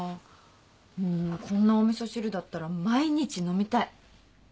もうこんなお味噌汁だったら毎日飲みたい。